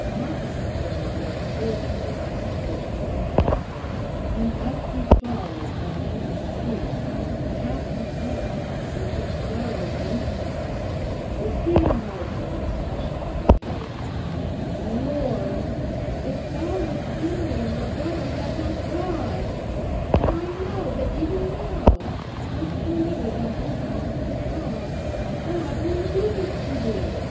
Martha had grown more spiritual by intercourse with the Master, and as she falls at Jesus' feet the half complaint which her sorrow wrings from her is here merged in the expression of her faith: "Lord, if thou hadst been here my brother had not died; but I know that even now, whatsoever thou wilt ask of God, God will give it to thee.